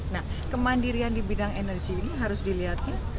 nah kemandirian di bidang energi ini harus dilihatin